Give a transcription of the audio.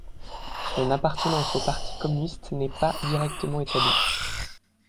Son appartenance au Parti communiste n'est pas directement établie.